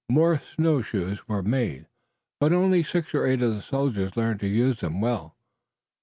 More snowshoes were made, but only six or eight of the soldiers learned to use them well.